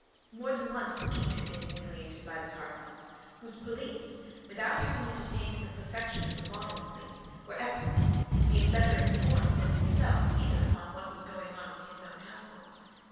More than once the king had been humiliated by the cardinal, whose police, without having yet attained the perfection of the modern police, were excellent, being better informed than himself, even upon what was going on in his own household.